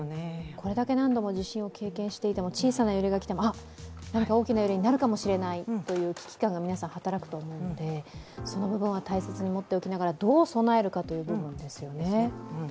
これだけ何度も地震を経験していても、小さな揺れがきても、大きな地震になるかもしれないと危機感が働くと思うのでその部分は大切に持っておきながらどう備えるかという部分ですよね。